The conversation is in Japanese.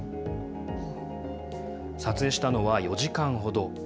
撮影したのは４時間ほど。